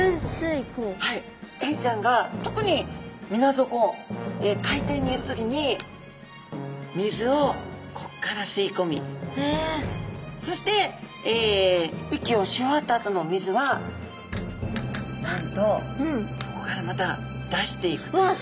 エイちゃんが特にみな底海底にいる時に水をこっからすいこみそして息をし終わったあとのお水はなんとここからまた出していくという。